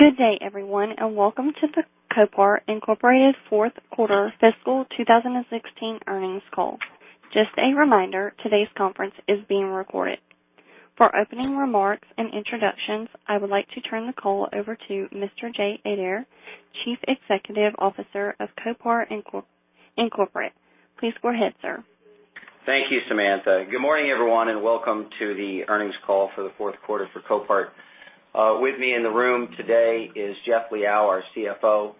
Good day, everyone, and welcome to the Copart Incorporated fourth quarter fiscal 2016 earnings call. Just a reminder, today's conference is being recorded. For opening remarks and introductions, I would like to turn the call over to Mr. Jay Adair, Chief Executive Officer of Copart, Inc. Please go ahead, sir. Thank you, Samantha. Good morning, everyone, and welcome to the earnings call for the fourth quarter for Copart. With me in the room today is Jeff Liaw, our CFO,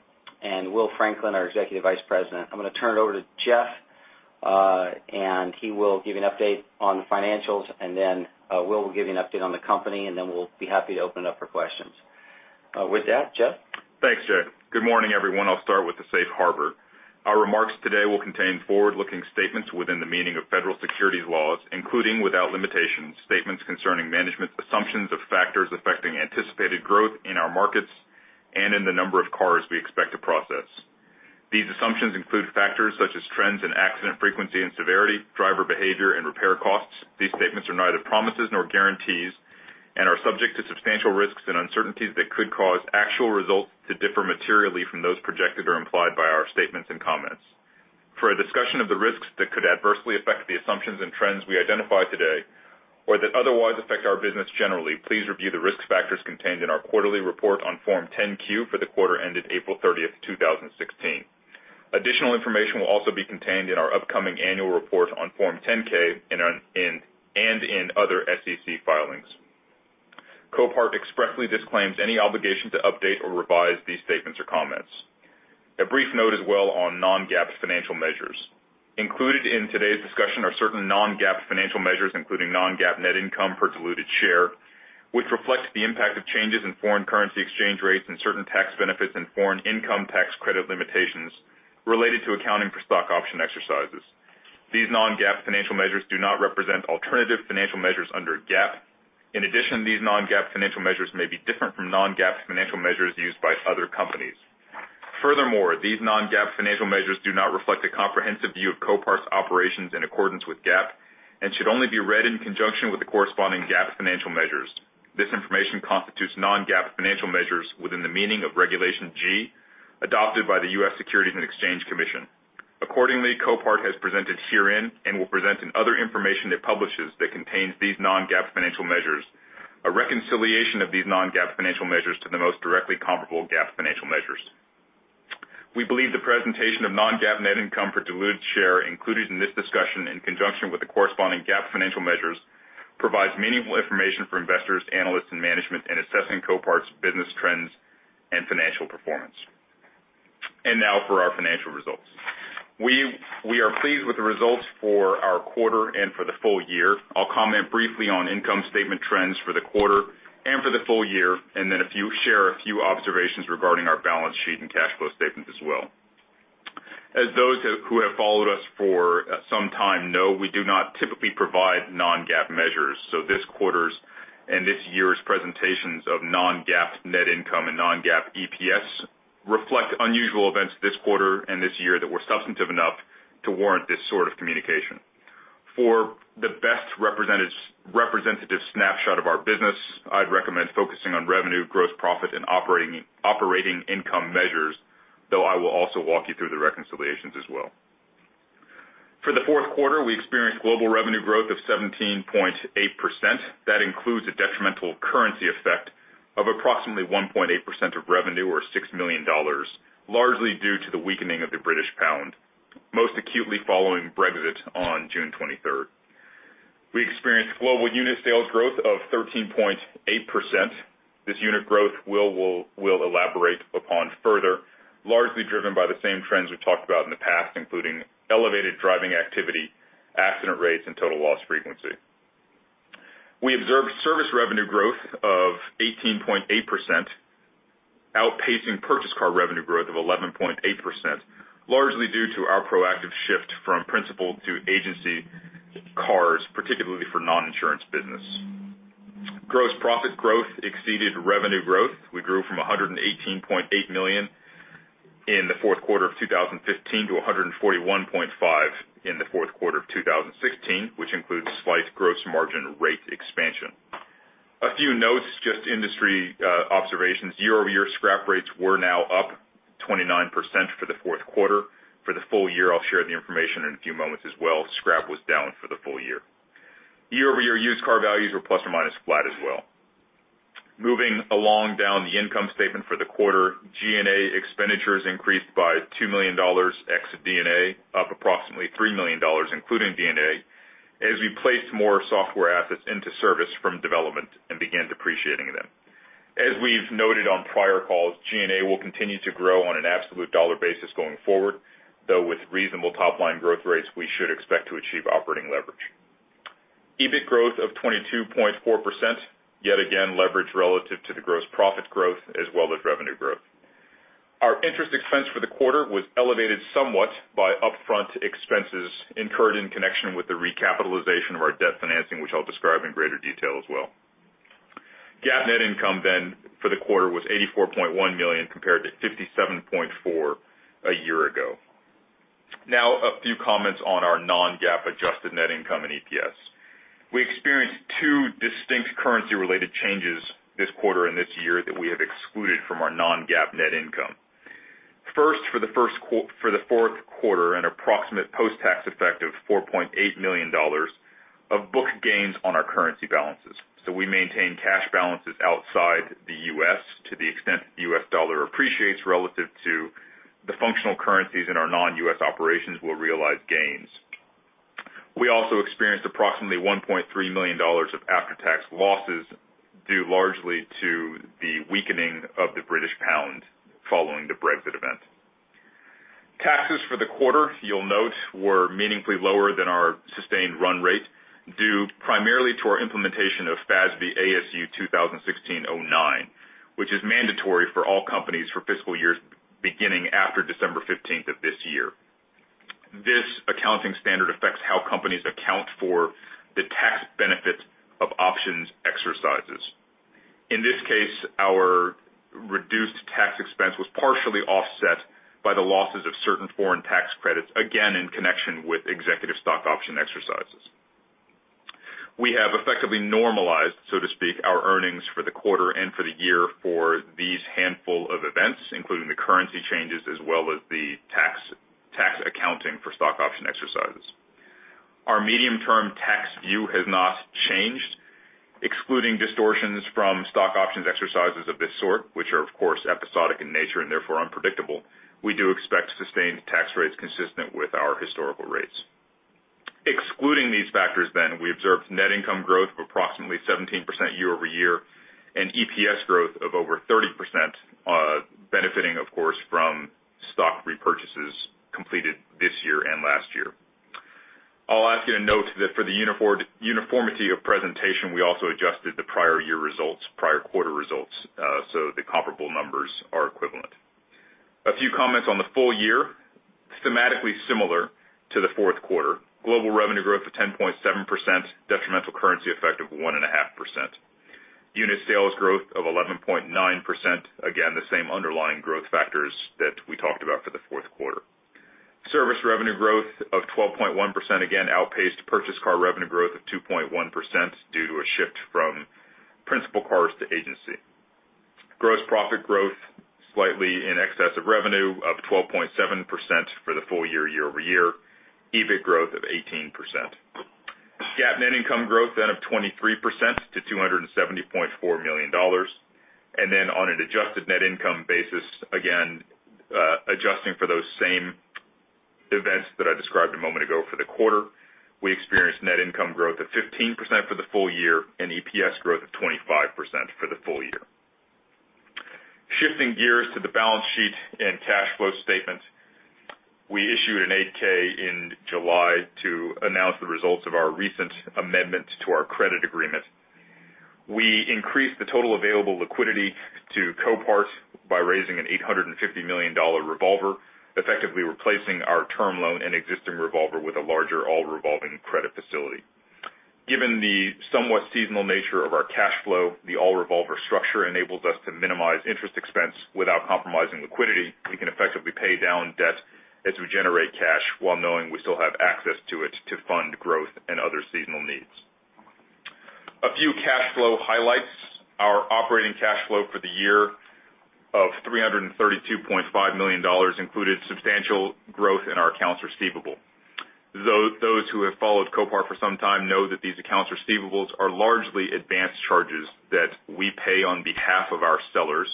and Will Franklin, our Executive Vice President. I'm going to turn it over to Jeff, and he will give an update on the financials, and then Will will give you an update on the company, and then we'll be happy to open it up for questions. With that, Jeff? Thanks, Jay. Good morning, everyone. I'll start with the safe harbor. Our remarks today will contain forward-looking statements within the meaning of federal securities laws, including, without limitation, statements concerning management's assumptions of factors affecting anticipated growth in our markets and in the number of cars we expect to process. These assumptions include factors such as trends in accident frequency and severity, driver behavior, and repair costs. These statements are neither promises nor guarantees and are subject to substantial risks and uncertainties that could cause actual results to differ materially from those projected or implied by our statements and comments. For a discussion of the risks that could adversely affect the assumptions and trends we identify today or that otherwise affect our business generally, please review the risk factors contained in our quarterly report on Form 10-Q for the quarter ended April 30, 2016. Additional information will also be contained in our upcoming annual report on Form 10-K and in other SEC filings. Copart expressly disclaims any obligation to update or revise these statements or comments. A brief note as well on non-GAAP financial measures. Included in today's discussion are certain non-GAAP financial measures, including non-GAAP net income per diluted share, which reflects the impact of changes in foreign currency exchange rates and certain tax benefits and foreign income tax credit limitations related to accounting for stock option exercises. These non-GAAP financial measures do not represent alternative financial measures under GAAP. In addition, these non-GAAP financial measures may be different from non-GAAP financial measures used by other companies. Furthermore, these non-GAAP financial measures do not reflect a comprehensive view of Copart's operations in accordance with GAAP and should only be read in conjunction with the corresponding GAAP financial measures. This information constitutes non-GAAP financial measures within the meaning of Regulation G, adopted by the U.S. Securities and Exchange Commission. Accordingly, Copart has presented herein, and will present in other information it publishes that contains these non-GAAP financial measures, a reconciliation of these non-GAAP financial measures to the most directly comparable GAAP financial measures. We believe the presentation of non-GAAP net income for diluted share included in this discussion in conjunction with the corresponding GAAP financial measures provides meaningful information for investors, analysts, and management in assessing Copart's business trends and financial performance. Now for our financial results. We are pleased with the results for our quarter and for the full year. I'll comment briefly on income statement trends for the quarter and for the full year, and then share a few observations regarding our balance sheet and cash flow statement as well. As those who have followed us for some time know, we do not typically provide non-GAAP measures, so this quarter's and this year's presentations of non-GAAP net income and non-GAAP EPS reflect unusual events this quarter and this year that were substantive enough to warrant this sort of communication. For the best representative snapshot of our business, I'd recommend focusing on revenue, gross profit, and operating income measures, though I will also walk you through the reconciliations as well. For the fourth quarter, we experienced global revenue growth of 17.8%. That includes a detrimental currency effect of approximately 1.8% of revenue or $6 million, largely due to the weakening of the British pound, most acutely following Brexit on June 23rd. We experienced global unit sales growth of 13.8%. This unit growth Will elaborate upon further, largely driven by the same trends we've talked about in the past, including elevated driving activity, accident rates, and total loss frequency. We observed service revenue growth of 18.8%, outpacing purchase car revenue growth of 11.8%, largely due to our proactive shift from principal to agency cars, particularly for non-insurance business. Gross profit growth exceeded revenue growth. We grew from $118.8 million in the fourth quarter of 2015 to $141.5 million in the fourth quarter of 2016, which includes slight gross margin rate expansion. A few notes, just industry observations. Year-over-year scrap rates were now up 29% for the fourth quarter. For the full year, I'll share the information in a few moments as well. Scrap was down for the full year. Year-over-year used car values were plus or minus flat as well. Moving along down the income statement for the quarter, G&A expenditures increased by $2 million ex of D&A, up approximately $3 million, including D&A, as we placed more software assets into service from development and began depreciating them. As we've noted on prior calls, G&A will continue to grow on an absolute dollar basis going forward, though with reasonable top-line growth rates, we should expect to achieve operating leverage. EBIT growth of 22.4%, yet again leveraged relative to the gross profit growth as well as revenue growth. Our interest expense for the quarter was elevated somewhat by upfront expenses incurred in connection with the recapitalization of our debt financing, which I'll describe in greater detail as well. GAAP net income for the quarter was $84.1 million compared to $57.4 million a year ago. A few comments on our non-GAAP adjusted net income and EPS. We experienced two distinct currency-related changes this quarter and this year that we have excluded from our non-GAAP net income. First, for the fourth quarter, an approximate post-tax effect of $4.8 million of book gains on our currency balances. We maintain cash balances outside the U.S. to the extent the U.S. dollar appreciates relative to the functional currencies in our non-U.S. operations, we'll realize gains. We also experienced approximately $1.3 million of after-tax losses, due largely to the weakening of the British pound following Brexit. Taxes for the quarter, you'll note, were meaningfully lower than our sustained run rate, due primarily to our implementation of FASB ASU 2016-09, which is mandatory for all companies for fiscal years beginning after December 15th of this year. This accounting standard affects how companies account for the tax benefits of options exercises. In this case, our reduced tax expense was partially offset by the losses of certain foreign tax credits, again in connection with executive stock option exercises. We have effectively normalized, so to speak, our earnings for the quarter and for the year for these handful of events, including the currency changes as well as the tax accounting for stock option exercises. Our medium-term tax view has not changed. Excluding distortions from stock options exercises of this sort, which are of course episodic in nature and therefore unpredictable, we do expect sustained tax rates consistent with our historical rates. Excluding these factors, we observed net income growth of approximately 17% year-over-year and EPS growth of over 30%, benefiting of course from stock repurchases completed this year and last year. I'll ask you to note that for the uniformity of presentation, we also adjusted the prior year results, prior quarter results. The comparable numbers are equivalent. A few comments on the full year. Thematically similar to the fourth quarter. Global revenue growth of 10.7%, detrimental currency effect of 1.5%. Unit sales growth of 11.9%. Again, the same underlying growth factors that we talked about for the fourth quarter. Service revenue growth of 12.1%, again outpaced purchase car revenue growth of 2.1% due to a shift from principal cars to agency. Gross profit growth slightly in excess of revenue of 12.7% for the full year-over-year. EBIT growth of 18%. GAAP net income growth of 23% to $270.4 million. On an adjusted net income basis, again, adjusting for those same events that I described a moment ago for the quarter, we experienced net income growth of 15% for the full year and EPS growth of 25% for the full year. Shifting gears to the balance sheet and cash flow statement. We issued an 8-K in July to announce the results of our recent amendment to our credit agreement. We increased the total available liquidity to Copart by raising an $850 million revolver, effectively replacing our term loan and existing revolver with a larger all-revolving credit facility. Given the somewhat seasonal nature of our cash flow, the all-revolver structure enables us to minimize interest expense without compromising liquidity. We can effectively pay down debt as we generate cash while knowing we still have access to it to fund growth and other seasonal needs. A few cash flow highlights. Our operating cash flow for the year of $332.5 million included substantial growth in our accounts receivable. Those who have followed Copart for some time know that these accounts receivables are largely advanced charges that we pay on behalf of our sellers,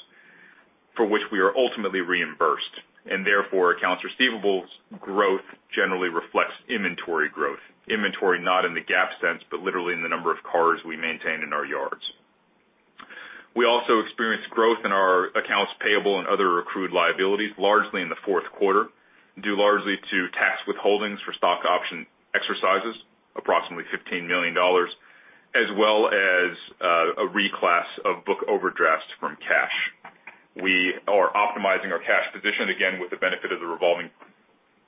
for which we are ultimately reimbursed. Therefore, accounts receivables growth generally reflects inventory growth. Inventory, not in the GAAP sense, but literally in the number of cars we maintain in our yards. We also experienced growth in our accounts payable and other accrued liabilities, largely in the fourth quarter, due largely to tax withholdings for stock option exercises, approximately $15 million, as well as a reclass of book overdrafts from cash. We are optimizing our cash position again with the benefit of the revolving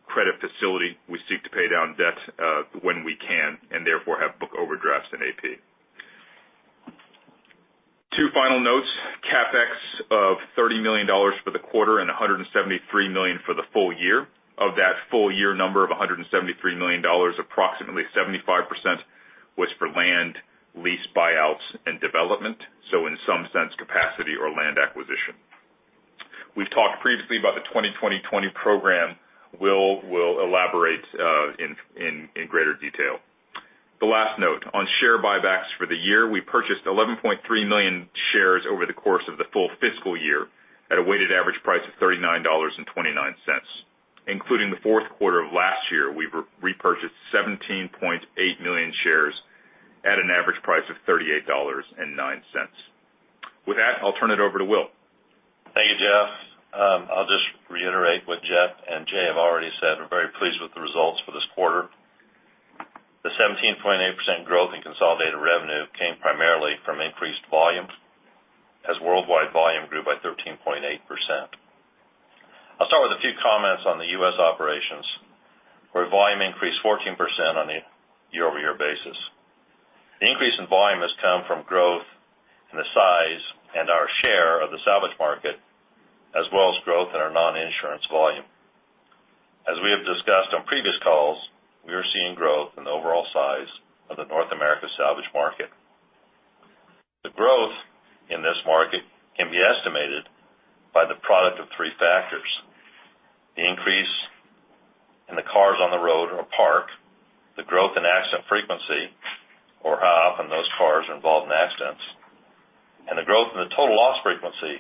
credit facility. We seek to pay down debt when we can and therefore have book overdrafts in AP. Two final notes. CapEx of $30 million for the quarter and $173 million for the full-year. Of that full-year number of $173 million, approximately 75% was for land lease buyouts and development, so in some sense, capacity or land acquisition. We've talked previously about the 2020 program. Will will elaborate in greater detail. The last note, on share buybacks for the year, we purchased 11.3 million shares over the course of the full fiscal year at a weighted average price of $39.29. Including the fourth quarter of last year, we've repurchased 17.8 million shares at an average price of $38.09. With that, I'll turn it over to Will. Thank you, Jeff. I'll just reiterate what Jeff and Jay have already said. We're very pleased with the results for this quarter. The 17.8% growth in consolidated revenue came primarily from increased volume, as worldwide volume grew by 13.8%. I'll start with a few comments on the U.S. operations, where volume increased 14% on a year-over-year basis. The increase in volume has come from growth in the size and our share of the salvage market, as well as growth in our non-insurance volume. As we have discussed on previous calls, we are seeing growth in the overall size of the North America salvage market. The growth in this market can be estimated by the product of three factors. The increase in the cars on the road or parked, the growth in accident frequency, or how often those cars are involved in accidents, and the growth in the total loss frequency,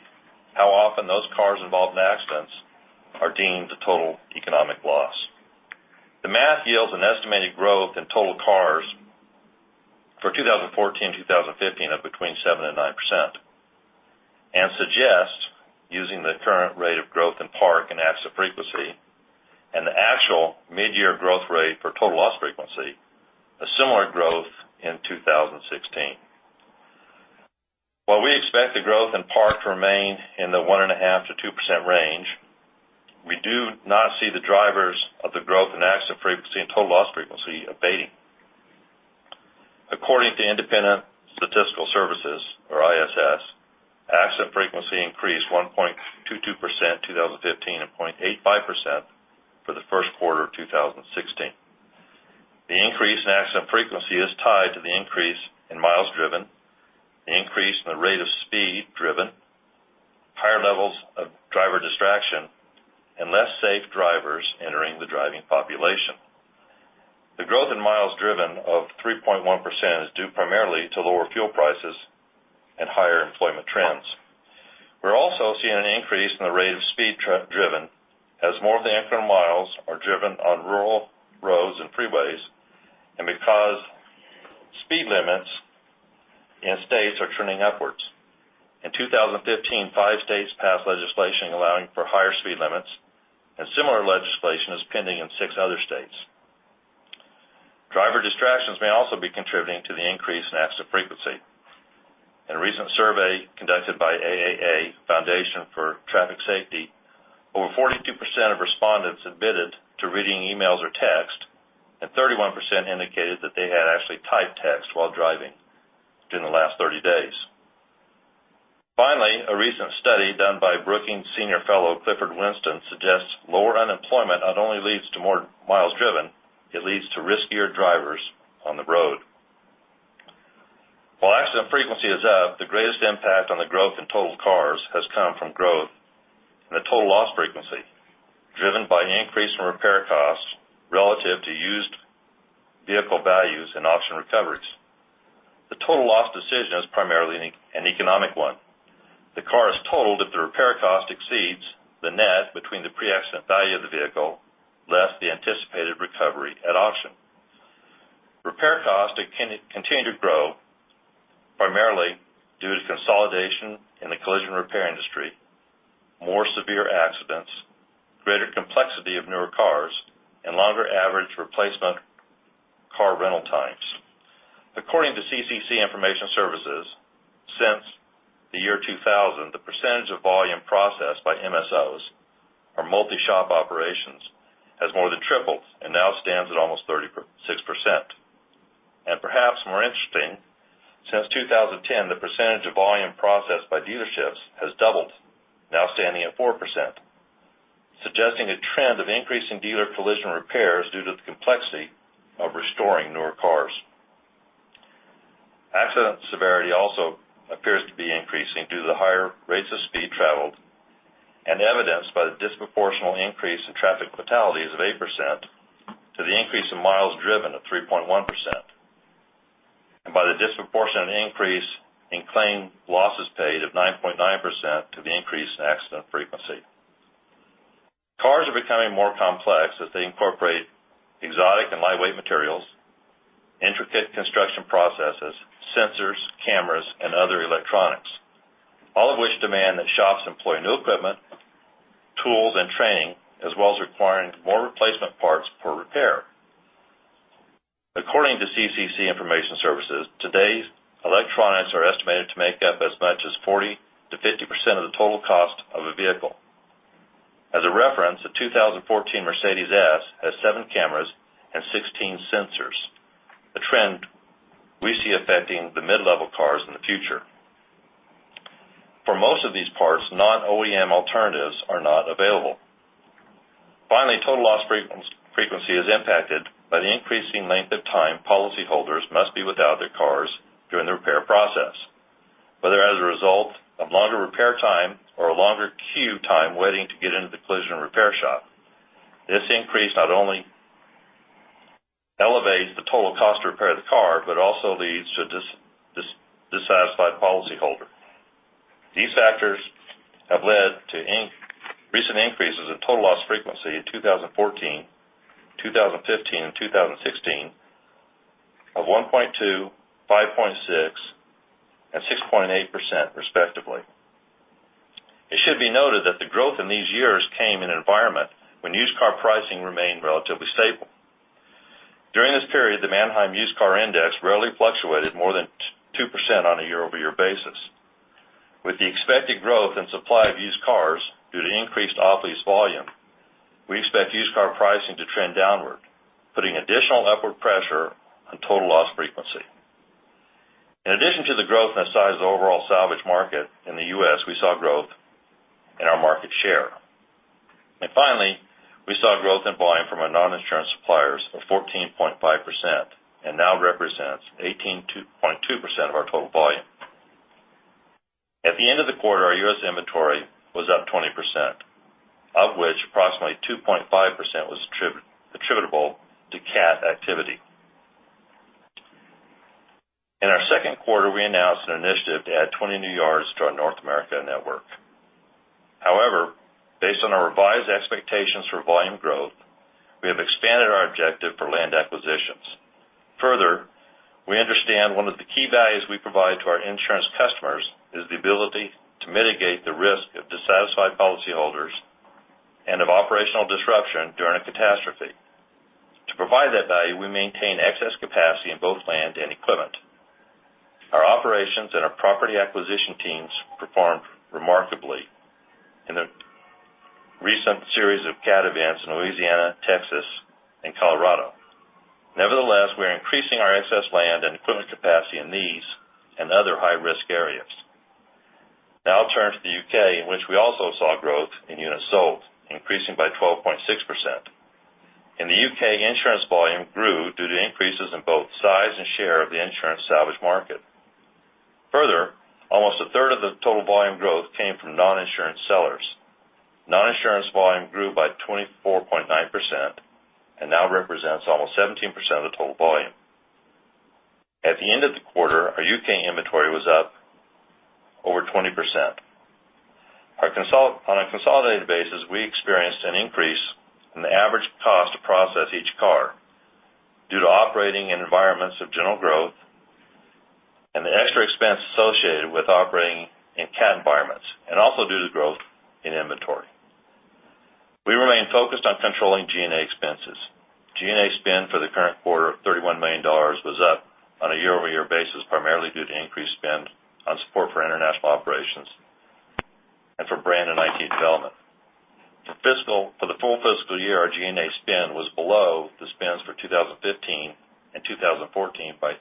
how often those cars involved in accidents are deemed a total economic loss. The math yields an estimated growth in totaled cars for 2014-2015 of between 7% and 9%, and suggests, using the current rate of growth in park and accident frequency, and the actual mid-year growth rate for total loss frequency, a similar growth in 2016. While we expect the growth in park to remain in the 1.5%-2% range, we do not see the drivers of the growth in accident frequency and total loss frequency abating. According to Independent Statistical Service, or ISS, accident frequency increased 1.22% in 2015 and 0.85% for the first quarter of 2016. The increase in accident frequency is tied to the increase in miles driven, the increase in the rate of speed driven, higher levels of driver distraction, and less safe drivers entering the driving population. The growth in miles driven of 3.1% is due primarily to lower fuel prices and higher employment trends. We're also seeing an increase in the rate of speed driven as more of the incremental miles are driven on rural roads and freeways, because speed limits in states are trending upwards. In 2015, five states passed legislation allowing for higher speed limits, similar legislation is pending in six other states. Driver distractions may also be contributing to the increase in accident frequency. In a recent survey conducted by AAA Foundation for Traffic Safety, over 42% of respondents admitted to reading emails or texts, 31% indicated that they had actually typed texts while driving during the last 30 days. A recent study done by Brookings senior fellow Clifford Winston suggests lower unemployment not only leads to more miles driven, it leads to riskier drivers on the road. While accident frequency is up, the greatest impact on the growth in totaled cars has come from growth and the total loss frequency driven by an increase in repair costs relative to used vehicle values and auction recoveries. The total loss decision is primarily an economic one. The car is totaled if the repair cost exceeds the net between the pre-accident value of the vehicle, less the anticipated recovery at auction. Repair costs continue to grow, primarily due to consolidation in the collision repair industry, more severe accidents, greater complexity of newer cars, longer average replacement car rental times. According to CCC Information Services, since the year 2000, the percentage of volume processed by MSOs, or multi-shop operations, has more than tripled and now stands at almost 36%. Perhaps more interesting, since 2010, the percentage of volume processed by dealerships has doubled, now standing at 4%, suggesting a trend of increasing dealer collision repairs due to the complexity of restoring newer cars. Accident severity also appears to be increasing due to the higher rates of speed traveled evidenced by the disproportional increase in traffic fatalities of 8% to the increase in miles driven of 3.1%, by the disproportionate increase in claim losses paid of 9.9% to the increase in accident frequency. Cars are becoming more complex as they incorporate exotic and lightweight materials, intricate construction processes, sensors, cameras, and other electronics, all of which demand that shops employ new equipment, tools, and training, as well as requiring more replacement parts for repair. According to CCC Information Services, today's electronics are estimated to make up as much as 40%-50% of the total cost of a vehicle. As a reference, a 2014 Mercedes S has seven cameras and 16 sensors, a trend we see affecting the mid-level cars in the future. For most of these parts, non-OEM alternatives are not available. Total loss frequency is impacted by the increasing length of time policyholders must be without their cars during the repair process, whether as a result of longer repair time or a longer queue time waiting to get into the collision repair shop. This increase not only elevates the total cost to repair the car but also leads to a dissatisfied policyholder. These factors have led to recent increases in total loss frequency in 2014, 2015, and 2016 of 1.2%, 5.6%, and 6.8% respectively. It should be noted that the growth in these years came in an environment when used car pricing remained relatively stable. During this period, the Manheim Used Car Index rarely fluctuated more than 2% on a year-over-year basis. With the expected growth in supply of used cars due to increased off-lease volume, we expect used car pricing to trend downward, putting additional upward pressure on total loss frequency. In addition to the growth in the size of the overall salvage market in the U.S., we saw growth in our market share. Finally, we saw growth in volume from our non-insurance suppliers of 14.5% and now represents 18.2% of our total volume. At the end of the quarter, our U.S. inventory was up 20%, of which approximately 2.5% was attributable to CAT activity. In our second quarter, we announced an initiative to add 20 new yards to our North America network. However, based on our revised expectations for volume growth, we have expanded our objective for land acquisitions. Further, we understand one of the key values we provide to our insurance customers is the ability to mitigate the risk of dissatisfied policyholders and of operational disruption during a catastrophe. To provide that value, we maintain excess capacity in both land and equipment. Our operations and our property acquisition teams performed remarkably in the recent series of CAT events in Louisiana, Texas, and Colorado. Nevertheless, we are increasing our excess land and equipment capacity in these and other high-risk areas. Now I'll turn to the U.K., in which we also saw growth in units sold, increasing by 12.6%. In the U.K., insurance volume grew due to increases in both size and share of the insurance salvage market. Further, almost a third of the total volume growth came from non-insurance sellers. Non-insurance volume grew by 24.9% and now represents almost 17% of the total volume. At the end of the quarter, our U.K. inventory was up over 20%. On a consolidated basis, we experienced an increase in the average cost to process each car due to operating in environments of general growth and the extra expense associated with operating in CAT environments, and also due to growth in inventory. We remain focused on controlling G&A expenses. G&A spend for the current quarter of $31 million was up on a year-over-year basis, primarily due to increased spend on support for international operations and for brand and IT development. For the full fiscal year, our G&A spend was below the spends for 2015 and 2014 by 3%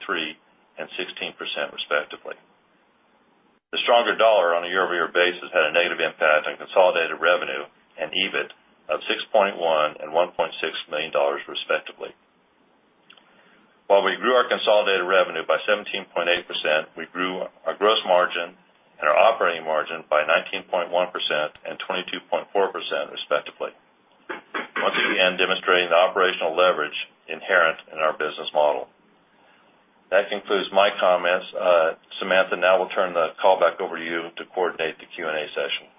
and 16%, respectively. The stronger dollar on a year-over-year basis had a negative impact on consolidated revenue and EBIT of $6.1 million and $1.6 million, respectively. While we grew our consolidated revenue by 17.8%, we grew our gross margin and our operating margin by 19.1% and 22.4%, respectively. Once again, demonstrating the operational leverage inherent in our business model. That concludes my comments. Samantha, now we'll turn the call back over to you to coordinate the Q&A session.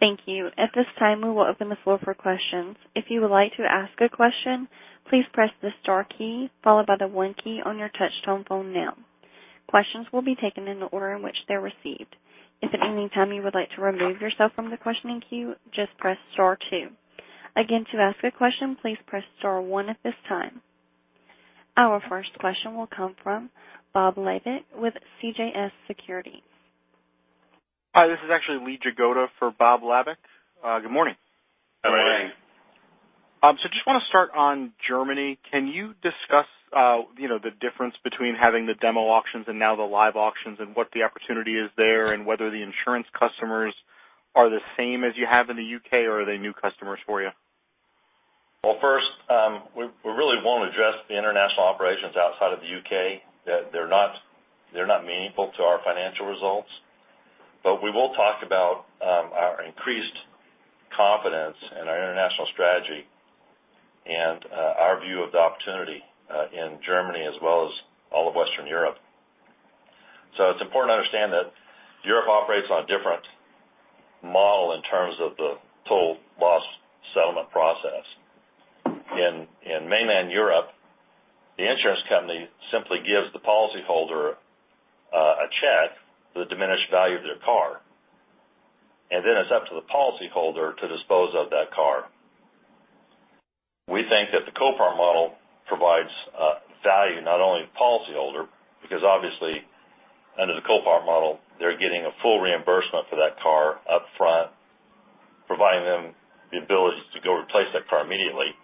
Thank you. At this time, we will open the floor for questions. If you would like to ask a question, please press the star 1 on your touch-tone phone now. Questions will be taken in the order in which they're received. If at any time you would like to remove yourself from the questioning queue, just press star 2. Again, to ask a question, please press star 1 at this time. Our first question will come from Bob Labick with CJS Securities. Hi, this is actually Lee Jagoda for Bob Labick. Good morning. Good morning. Just want to start on Germany. Can you discuss the difference between having the demo auctions and now the live auctions, and what the opportunity is there, and whether the insurance customers are the same as you have in the U.K., or are they new customers for you? Well, first, we really won't address the international operations outside of the U.K. They're not meaningful to our financial results. We will talk about our increased confidence in our international strategy and our view of the opportunity in Germany as well as all of Western Europe. It's important to understand that Europe operates on a different model in terms of the total loss settlement process. In mainland Europe, the insurance company simply gives the policyholder a check for the diminished value of their car, then it's up to the policyholder to dispose of that car. We think that the Copart model provides value not only to the policyholder, because obviously under the Copart model, they're getting a full reimbursement for that car up front, providing them the ability to go replace that car immediately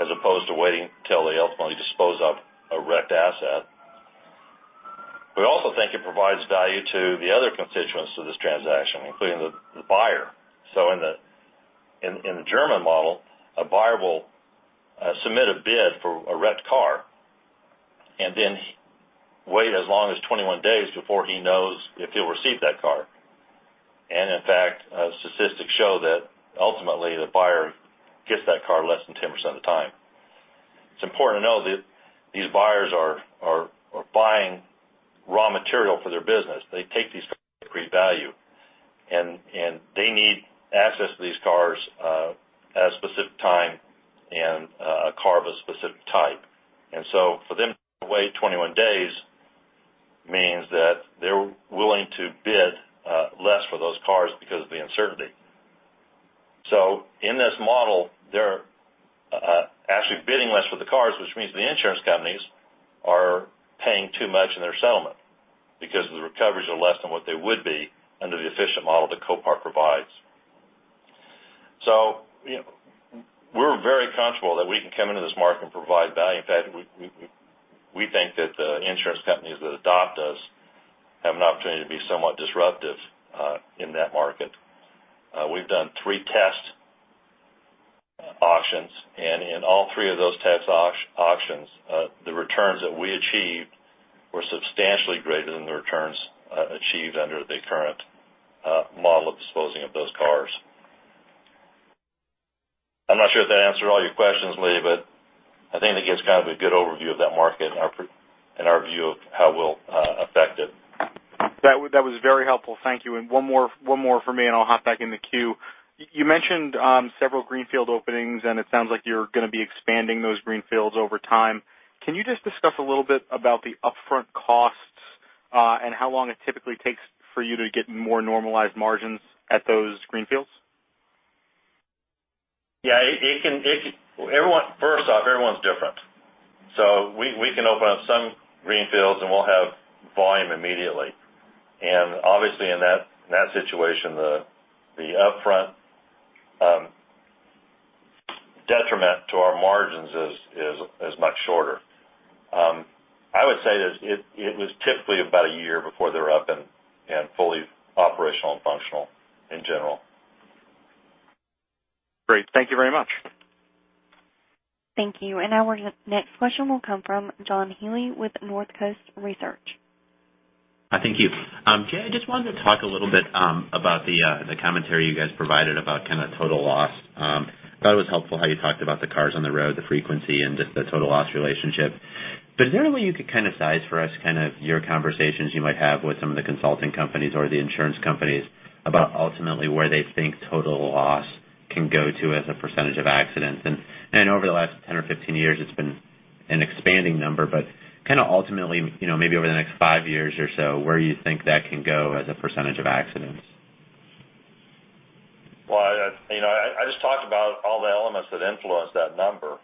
as opposed to waiting till they ultimately dispose of a wrecked asset. We also think it provides value to the other constituents of this transaction, including the buyer. In the German model, a buyer will submit a bid for a wrecked car then wait as long as 21 days before he knows if he'll receive that car. In fact, statistics show that ultimately, the buyer gets that car less than 10% of the time. It's important to know that these buyers are buying raw material for their business. They take these cars at great value, and they need access to these cars at a specific time and a car of a specific type. For them to wait 21 days means that they're willing to bid less for those cars because of the uncertainty. Which means the insurance companies are paying too much in their settlement because the recoveries are less than what they would be under the efficient model that Copart provides. We're very comfortable that we can come into this market and provide value. In fact, we think that the insurance companies that adopt us have an opportunity to be somewhat disruptive in that market. We've done three test auctions, in all three of those test auctions, the returns that we achieved were substantially greater than the returns achieved under the current model of disposing of those cars. I'm not sure if that answered all your questions, Lee, I think it gives kind of a good overview of that market and our view of how we'll affect it. That was very helpful. Thank you. One more from me, I'll hop back in the queue. You mentioned several greenfield openings, it sounds like you're going to be expanding those greenfields over time. Can you just discuss a little bit about the upfront costs, how long it typically takes for you to get more normalized margins at those greenfields? Yeah. First off, everyone's different. We can open up some greenfields, and we'll have volume immediately. Obviously in that situation, the upfront detriment to our margins is much shorter. I would say that it was typically about a year before they were up and fully operational and functional in general. Great. Thank you very much. Thank you. Our next question will come from John Healy with Northcoast Research. Thank you. Jay, I just wanted to talk a little bit about the commentary you guys provided about kind of total loss. I thought it was helpful how you talked about the cars on the road, the frequency, and just the total loss relationship. Is there a way you could kind of size for us kind of your conversations you might have with some of the consulting companies or the insurance companies about ultimately where they think total loss can go to as a percentage of accidents? I know over the last 10 or 15 years, it's been an expanding number, but kind of ultimately, maybe over the next five years or so, where you think that can go as a percentage of accidents? Well, I just talked about all the elements that influence that number.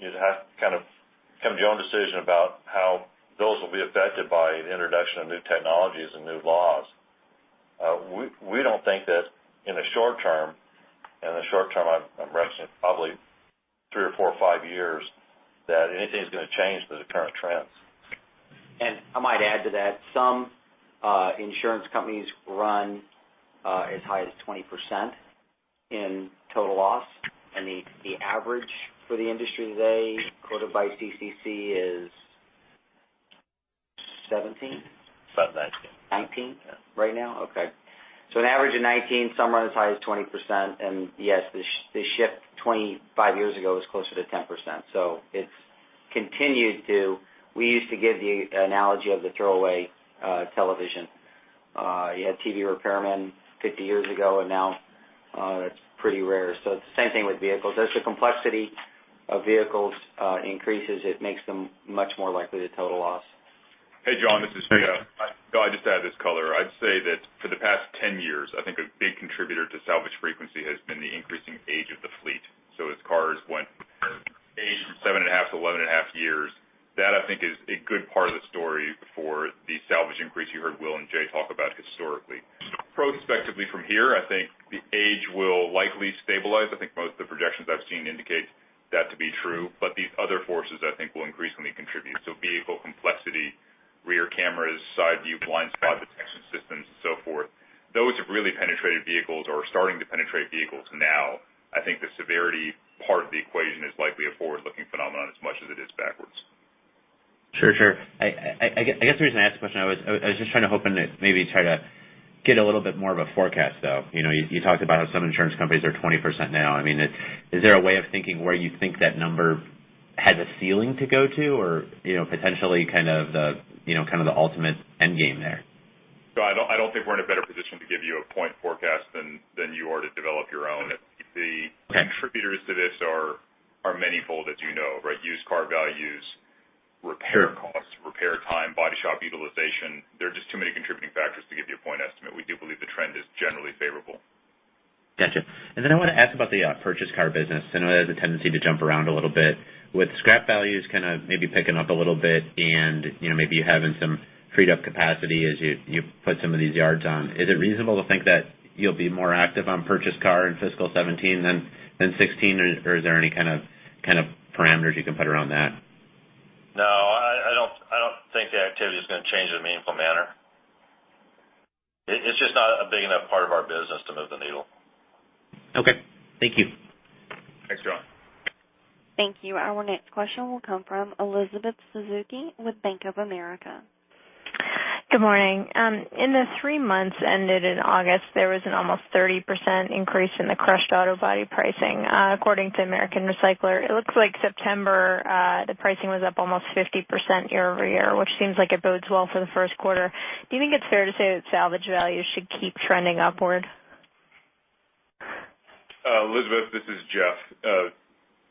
You'd have to kind of come to your own decision about how those will be affected by the introduction of new technologies and new laws. We don't think that in the short term, and the short term, I'm referencing probably three or four or five years, that anything's going to change the current trends. I might add to that. Some insurance companies run as high as 20% in total loss, and the average for the industry today quoted by CCC is 17? It's about 19. 19 right now? Okay. An average of 19. Some run as high as 20%, and yes, the shift 25 years ago was closer to 10%. It's continued. We used to give the analogy of the throwaway television. You had TV repairmen 50 years ago, and now it's pretty rare. It's the same thing with vehicles. As the complexity of vehicles increases, it makes them much more likely to total loss. Hey, John, this is Jeff. I'd just add this color. I'd say that for the past 10 years, I think a big contributor to salvage frequency has been the increasing age of the fleet. As cars went from age seven and a half to 11 and a half years, that I think is a good part of the story for the salvage increase you heard Will and Jay talk about historically. Prospectively from here, I think the age will likely stabilize. I think most of the projections I've seen indicate that to be true. These other forces, I think, will increasingly contribute. Vehicle complexity, rear cameras, side view blind spot detection systems, and so forth. Those have really penetrated vehicles or are starting to penetrate vehicles now. I think the severity part of the equation is likely a forward-looking phenomenon as much as it is backwards. Sure. I guess the reason I asked the question, I was just kind of hoping to maybe try to get a little bit more of a forecast, though. You talked about how some insurance companies are 20% now. Is there a way of thinking where you think that number has a ceiling to go to or potentially kind of the ultimate end game there? I don't think we're in a better position to give you a point forecast than you are to develop your own. Okay. The contributors to this are manyfold, as you know, right? Used car values, repair costs, repair time, body shop utilization. There are just too many contributing factors to give you a point estimate. We do believe the trend is generally favorable. Got you. Then I want to ask about the purchase car business. I know it has a tendency to jump around a little bit. With scrap values kind of maybe picking up a little bit and maybe you having some freed up capacity as you put some of these yards on, is it reasonable to think that you'll be more active on purchase car in fiscal 2017 than 2016? Or is there any kind of parameters you can put around that? No, I don't think the activity is going to change in a meaningful manner. It's just not a big enough part of our business to move the needle. Okay. Thank you. Thanks, John. Thank you. Our next question will come from Elizabeth Suzuki with Bank of America. Good morning. In the three months ended in August, there was an almost 30% increase in the crushed auto body pricing, according to American Recycler. It looks like September, the pricing was up almost 50% year-over-year, which seems like it bodes well for the first quarter. Do you think it's fair to say that salvage values should keep trending upward? Elizabeth, this is Jeff.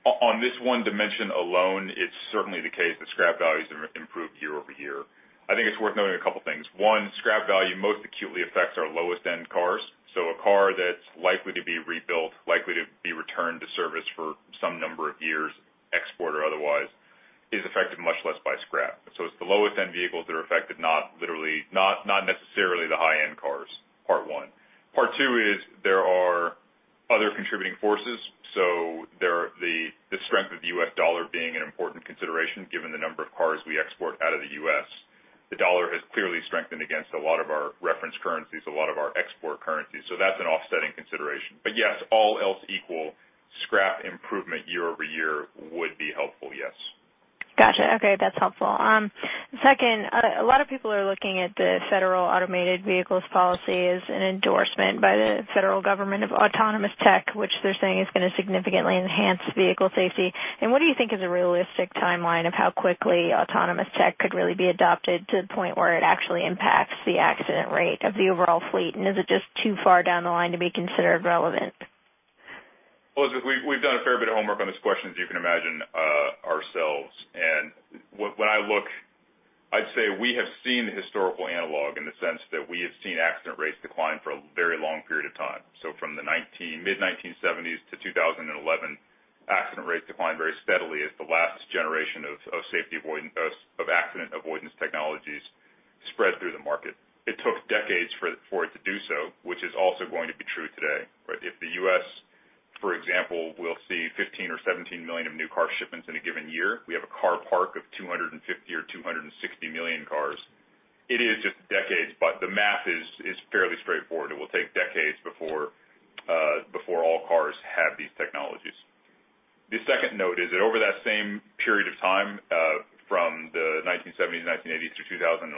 On this one dimension alone, it's certainly the case that scrap values have improved year-over-year. I think it's worth noting a couple things. One, scrap value most acutely affects our lowest end cars. A car that's likely to be rebuilt, likely to be returned to service for some number of years, export or otherwise, is affected much less by scrap. It's the lowest end vehicles that are affected, not necessarily the high-end cars, part one. Part two is there are other contributing forces. The strength of the U.S. dollar being an important consideration, given the number of cars we export out of the U.S. The dollar has clearly strengthened against a lot of our reference currencies, a lot of our export currencies. That's an offsetting consideration. Yes, all else equal, scrap improvement year-over-year would be helpful, yes. Got you. Okay, that's helpful. Second, a lot of people are looking at the federal automated vehicles policy as an endorsement by the federal government of autonomous tech, which they're saying is going to significantly enhance vehicle safety. What do you think is a realistic timeline of how quickly autonomous tech could really be adopted to the point where it actually impacts the accident rate of the overall fleet? Is it just too far down the line to be considered relevant? Elizabeth, we've done a fair bit of homework on this question, as you can imagine, ourselves. When I look, I'd say we have seen the historical analog in the sense that we have seen accident rates decline for a very long period of time. From the mid-1970s to 2011, accident rates declined very steadily as the last generation of accident avoidance technologies spread through the market. It took decades for it to do so, which is also going to be true today. If the U.S., for example, will see 15 million or 17 million of new car shipments in a given year. We have a car park of 250 million or 260 million cars. It is just decades. The math is fairly straightforward. It will take decades before all cars have these technologies. The second note is that over that same period of time, from the 1970s, 1980s through 2011,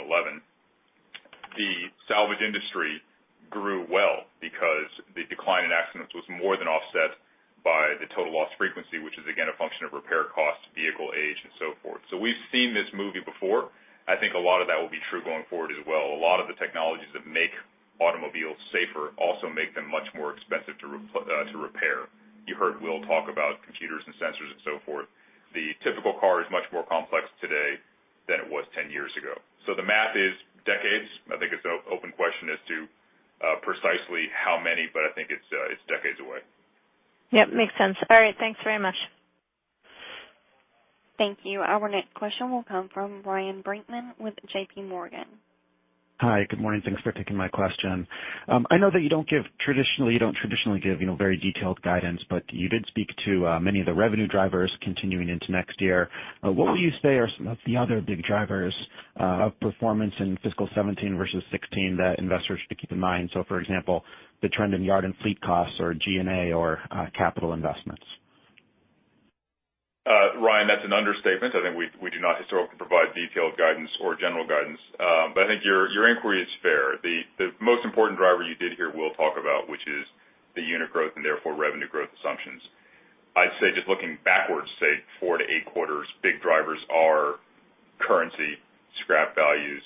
the salvage industry grew well because the decline in accidents was more than offset by the total loss frequency, which is again, a function of repair costs, vehicle age, and so forth. We've seen this movie before. I think a lot of that will be true going forward as well. A lot of the technologies that make automobiles safer also make them much more expensive to repair. You heard Will talk about computers and sensors and so forth. The typical car is much more complex today than it was 10 years ago. The math is decades. I think it's an open question as to precisely how many. I think it's decades away. Yep, makes sense. All right, thanks very much. Thank you. Our next question will come from Ryan Brinkman with J.P. Morgan. Hi, good morning. Thanks for taking my question. I know that you don't traditionally give very detailed guidance, but you did speak to many of the revenue drivers continuing into next year. What would you say are some of the other big drivers of performance in fiscal 2017 versus 2016 that investors should keep in mind? For example, the trend in yard and fleet costs or G&A or capital investments. Ryan, that's an understatement. I think we do not historically provide detailed guidance or general guidance. I think your inquiry is fair. The most important driver you did hear Will talk about, which is the unit growth and therefore revenue growth assumptions. I'd say just looking backwards, say four to eight quarters, big drivers are currency, scrap values,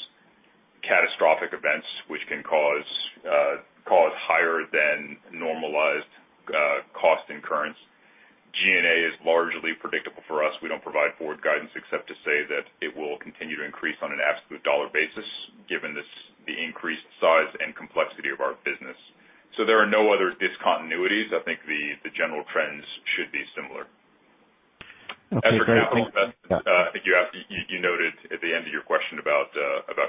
catastrophic events, which can cause higher than normalized cost incurrence. G&A is largely predictable for us. We don't provide forward guidance except to say that it will continue to increase on an absolute dollar basis given the increased size and complexity of our business. There are no other discontinuities. I think the general trends should be similar. Okay, great. Thank you. As for capital investments, I think you noted at the end of your question about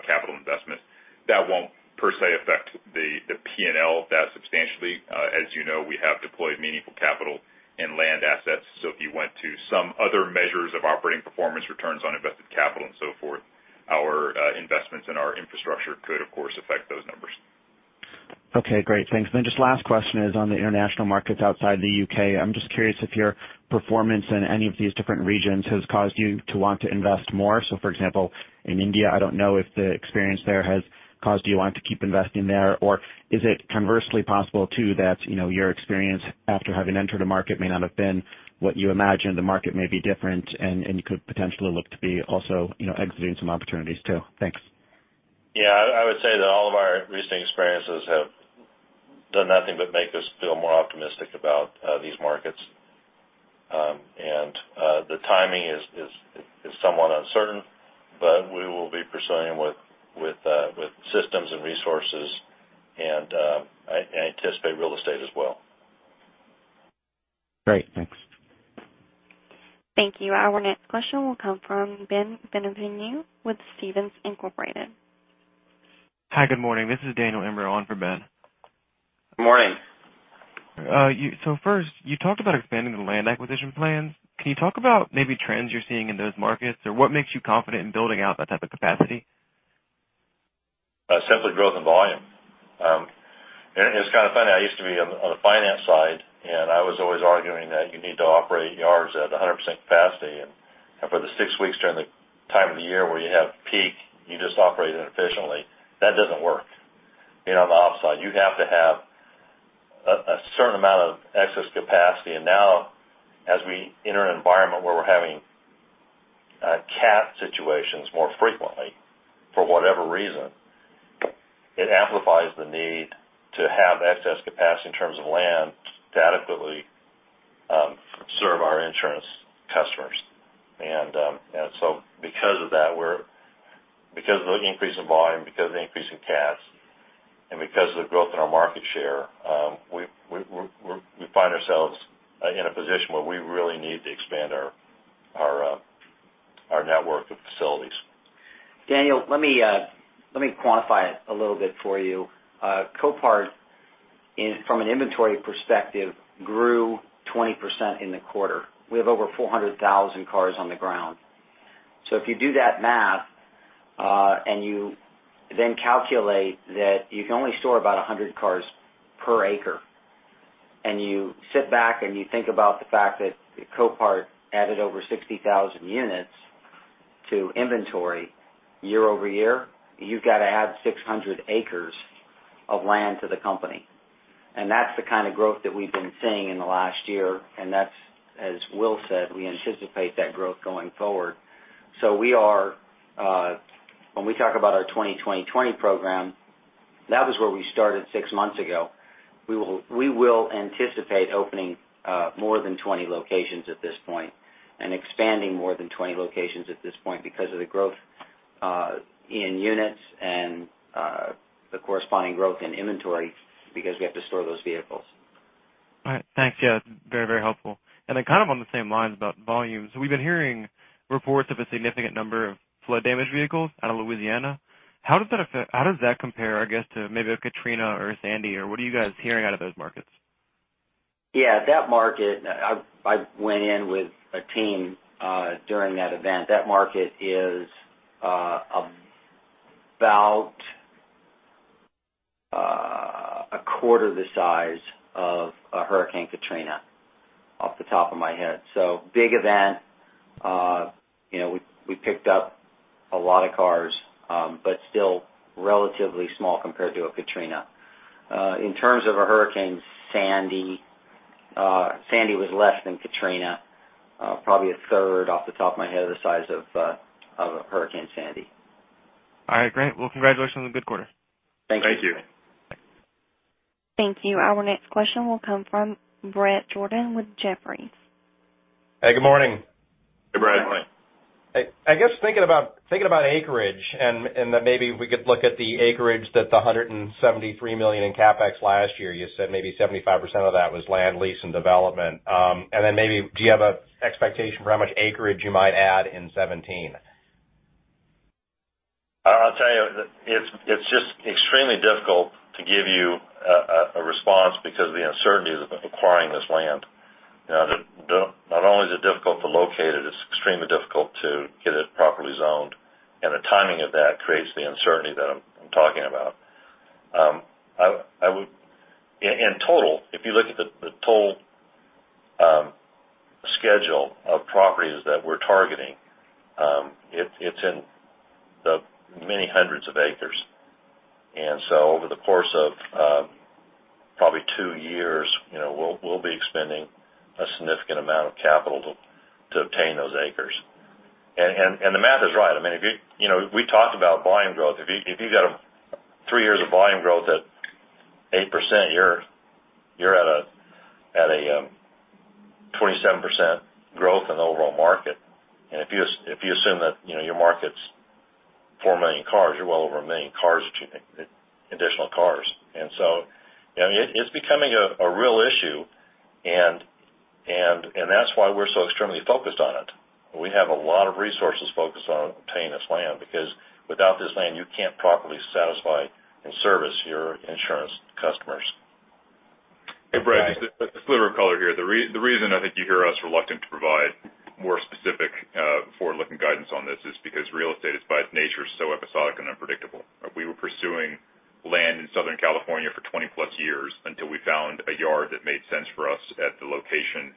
capital investments. That won't per se affect the P&L that substantially. As you know, we have deployed meaningful capital in land assets. If you went to some other measures of operating performance, returns on invested capital and so forth, our investments in our infrastructure could, of course, affect those numbers. Okay, great. Thanks. Just last question is on the international markets outside the U.K. I'm just curious if your performance in any of these different regions has caused you to want to invest more. For example, in India, I don't know if the experience there has caused you to want to keep investing there, or is it conversely possible, too, that your experience after having entered a market may not have been what you imagined, the market may be different and you could potentially look to be also exiting some opportunities too? Thanks. Yeah, I would say that all of our recent experiences have done nothing but make us feel more optimistic about these markets. The timing is somewhat uncertain, but we will be pursuing with systems and resources and I anticipate real estate as well. Great. Thanks. Thank you. Our next question will come from Ben Bienvenu with Stephens Inc.. Hi, good morning. This is Daniel Imbro on for Ben Bienvenu. Morning. First, you talked about expanding the land acquisition plans. Can you talk about maybe trends you're seeing in those markets, or what makes you confident in building out that type of capacity? Simply growth and volume. It's kind of funny. I used to be on the finance side, and I was always arguing that you need to operate yards at 100% capacity. For the 6 weeks during the time of the year where you have peak, you just operate inefficiently. That doesn't work. Being on the op side, you have to have a certain amount of excess capacity. Now as we enter an environment where we're having CAT situations more frequently, for whatever reason, it amplifies the need to have excess capacity in terms of land to adequately Customers. Because of the increase in volume, because of the increase in CATs, and because of the growth in our market share, we find ourselves in a position where we really need to expand our network of facilities. Daniel, let me quantify it a little bit for you. Copart, from an inventory perspective, grew 20% in the quarter. We have over 400,000 cars on the ground. If you do that math, and you then calculate that you can only store about 100 cars per acre, and you sit back and you think about the fact that Copart added over 60,000 units to inventory year-over-year, you've got to add 600 acres of land to the company. That's the kind of growth that we've been seeing in the last year. That's, as Will said, we anticipate that growth going forward. When we talk about our 2020 Program, that was where we started six months ago. We will anticipate opening more than 20 locations at this point and expanding more than 20 locations at this point because of the growth in units and the corresponding growth in inventory because we have to store those vehicles. All right. Thanks. Yeah. Very helpful. Then kind of on the same lines about volumes, we've been hearing reports of a significant number of flood damage vehicles out of Louisiana. How does that compare, I guess, to maybe a Hurricane Katrina or a Hurricane Sandy? What are you guys hearing out of those markets? Yeah, that market, I went in with a team during that event. That market is about a quarter the size of a Hurricane Katrina, off the top of my head. Big event. We picked up a lot of cars, but still relatively small compared to a Hurricane Katrina. In terms of a Hurricane Sandy, Hurricane Sandy was less than Hurricane Katrina, probably a third, off the top of my head, of the size of Hurricane Sandy. All right, great. Well, congratulations on the good quarter. Thank you. Thank you. Thank you. Our next question will come from Bret Jordan with Jefferies. Hey, good morning. Hey, Bret. Good morning. I guess thinking about acreage, the $173 million in CapEx last year, you said maybe 75% of that was land lease and development. Maybe do you have an expectation for how much acreage you might add in 2017? I'll tell you, it's just extremely difficult to give you a response because of the uncertainty of acquiring this land. Not only is it difficult to locate it's extremely difficult to get it properly zoned, and the timing of that creates the uncertainty that I'm talking about. In total, if you look at the total schedule of properties that we're targeting, it's in the many hundreds of acres. Over the course of probably two years, we'll be expending a significant amount of capital to obtain those acres. The math is right. We talked about volume growth. If you've got three years of volume growth at 8%, you're at a 27% growth in the overall market. If you assume that your market's 4 million cars, you're well over 1 million additional cars. It's becoming a real issue, and that's why we're so extremely focused on it. We have a lot of resources focused on obtaining this land because without this land, you can't properly satisfy and service your insurance customers. Hey, Bret. Hi. A sliver of color here. The reason I think you hear us reluctant to provide more specific forward-looking guidance on this is because real estate is by its nature, so episodic and unpredictable. We were pursuing land in Southern California for 20-plus years until we found a yard that made sense for us at the location,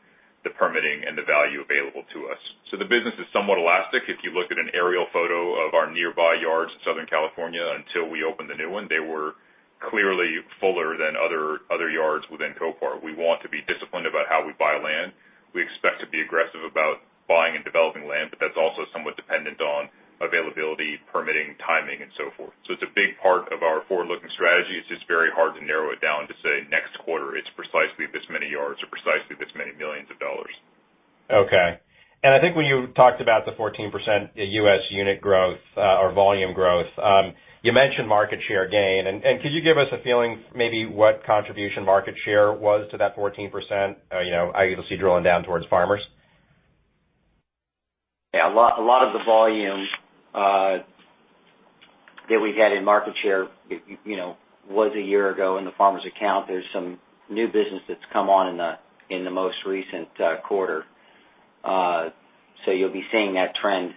the permitting, and the value available to us. The business is somewhat elastic. If you looked at an aerial photo of our nearby yards in Southern California, until we opened the new one, they were clearly fuller than other yards within Copart. We want to be disciplined about how we buy land. We expect to be aggressive about buying and developing land, but that's also somewhat dependent on availability, permitting, timing, and so forth. It's a big part of our forward-looking strategy. It's just very hard to narrow it down to say next quarter it's precisely this many yards or precisely this many millions of dollars. Okay. I think when you talked about the 14% U.S. unit growth or volume growth, you mentioned market share gain. Could you give us a feeling maybe what contribution market share was to that 14%? I guess see drilling down towards Farmers. Yeah, a lot of the volume that we get in market share was a year ago in the Farmers account. There's some new business that's come on in the most recent quarter. You'll be seeing that trend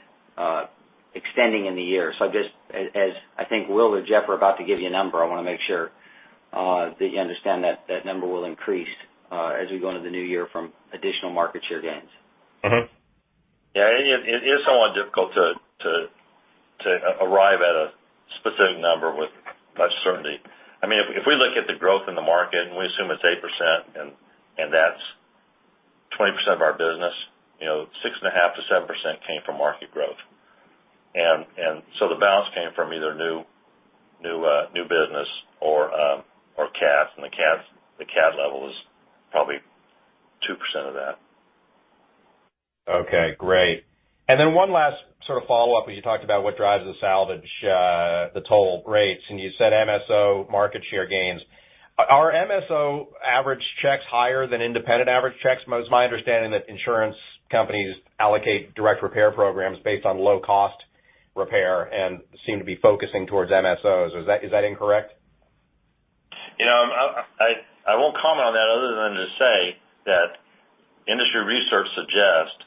extending in the year. I guess as I think Will or Jeff are about to give you a number, I want to make sure that you understand that that number will increase as we go into the new year from additional market share gains. Yeah, it is somewhat difficult to arrive at a specific number with much certainty. If we look at the growth in the market and we assume it's 8%, and that's 20% of our business, 6.5%-7% came from market growth. The balance came from either new CAT level is probably 2% of that. Okay, great. One last sort of follow-up, where you talked about what drives the salvage, the total rates, and you said MSO market share gains. Are MSO average checks higher than independent average checks? It's my understanding that insurance companies allocate direct repair programs based on low-cost repair and seem to be focusing towards MSOs. Is that incorrect? I won't comment on that other than to say that industry research suggests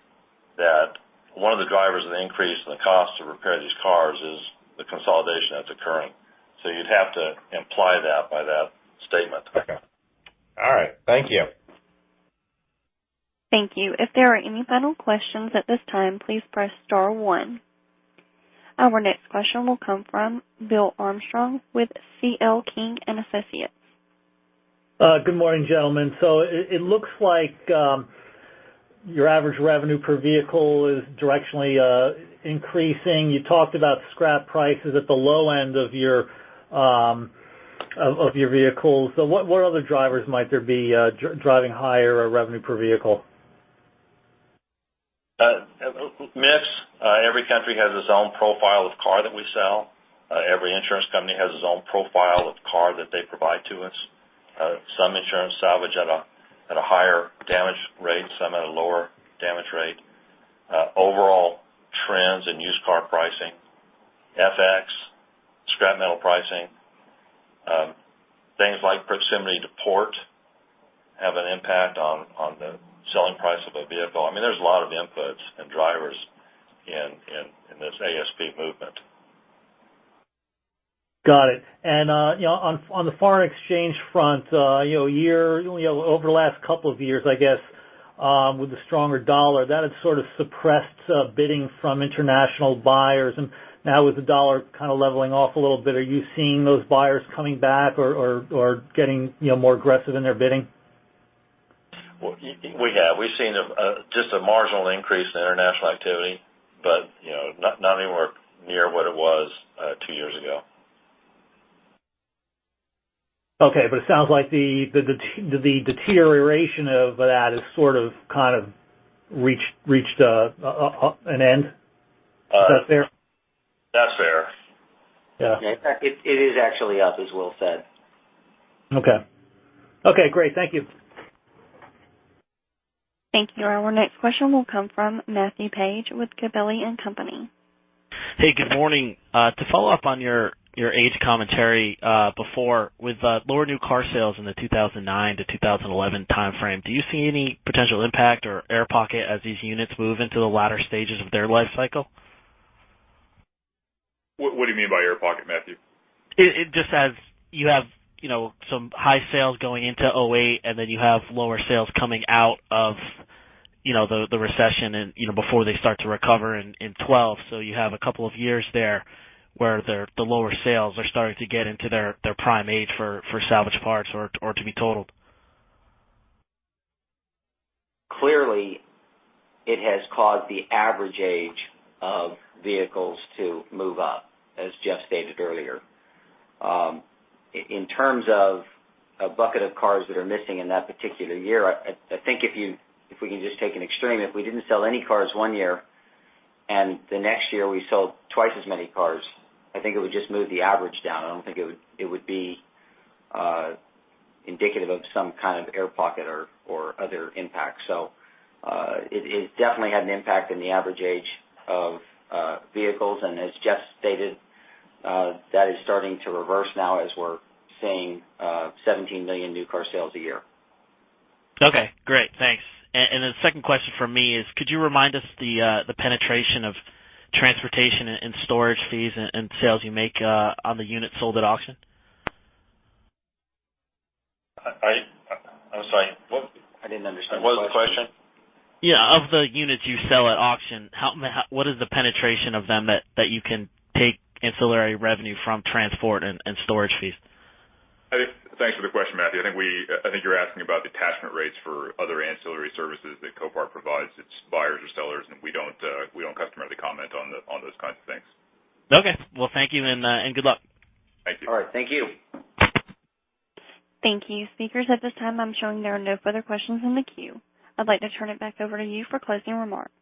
that one of the drivers of the increase in the cost to repair these cars is the consolidation that's occurring. You'd have to imply that by that statement. Okay. All right. Thank you. Thank you. If there are any final questions at this time, please press star one. Our next question will come from Bill Armstrong with C.L. King & Associates. Good morning, gentlemen. It looks like your average revenue per vehicle is directionally increasing. You talked about scrap prices at the low end of your vehicles. What other drivers might there be driving higher revenue per vehicle? Mix. Every country has its own profile of car that we sell. Every insurance company has its own profile of car that they provide to us. Some insurance salvage at a higher damage rate, some at a lower damage rate. Overall trends in used car pricing. FX, scrap metal pricing. Things like proximity to port have an impact on the selling price of a vehicle. There's a lot of inputs and drivers in this ASP movement. Got it. On the foreign exchange front, over the last couple of years, I guess, with the stronger dollar, that has sort of suppressed bidding from international buyers. Now with the dollar kind of leveling off a little bit, are you seeing those buyers coming back or getting more aggressive in their bidding? We have. We've seen just a marginal increase in international activity, but not anywhere near what it was two years ago. Okay. It sounds like the deterioration of that has sort of reached an end. Is that fair? That's fair. Yeah. It is actually up, as Will said. Okay. Okay, great. Thank you. Thank you. Our next question will come from Matthew Paige with Gabelli & Company. Hey, good morning. To follow up on your age commentary before with lower new car sales in the 2009 to 2011 timeframe, do you see any potential impact or air pocket as these units move into the latter stages of their life cycle? What do you mean by air pocket, Matthew? Just as you have some high sales going into 2008, and then you have lower sales coming out of the recession and before they start to recover in 2012. You have a couple of years there where the lower sales are starting to get into their prime age for salvage parts or to be totaled. Clearly, it has caused the average age of vehicles to move up, as Jeff stated earlier. In terms of a bucket of cars that are missing in that particular year, I think if we can just take an extreme, if we didn't sell any cars one year and the next year we sold twice as many cars, I think it would just move the average down. I don't think it would be indicative of some kind of air pocket or other impact. It definitely had an impact on the average age of vehicles, and as Jeff stated, that is starting to reverse now as we're seeing 17 million new car sales a year. Okay, great. Thanks. The second question from me is, could you remind us the penetration of transportation and storage fees and sales you make on the units sold at auction? I'm sorry, what? I didn't understand the question. What was the question? Yeah. Of the units you sell at auction, what is the penetration of them that you can take ancillary revenue from transport and storage fees? Thanks for the question, Matthew. I think you're asking about detachment rates for other ancillary services that Copart provides its buyers or sellers, and we don't customarily comment on those kinds of things. Okay. Well, thank you, and good luck. Thank you. All right. Thank you. Thank you. Speakers, at this time, I'm showing there are no further questions in the queue. I'd like to turn it back over to you for closing remarks.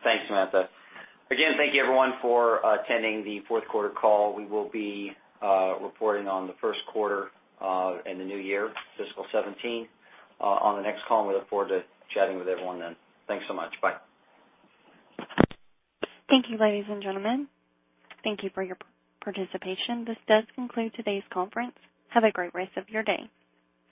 Thanks, Samantha. Again, thank you everyone for attending the fourth quarter call. We will be reporting on the first quarter in the new year, fiscal 2017. On the next call, we look forward to chatting with everyone then. Thanks so much. Bye. Thank you, ladies and gentlemen. Thank you for your participation. This does conclude today's conference. Have a great rest of your day.